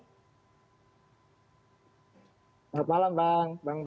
selamat malam bang